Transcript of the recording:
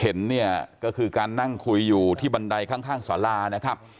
เห็นเนี่ยก็คือการนั่งคุยอยู่ที่บันไดข้างสารานะครับ